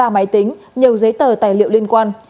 bốn mươi ba máy tính nhiều giấy tờ tài liệu liên quan